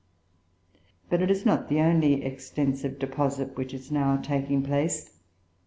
But it is not the only extensive deposit which is now taking place.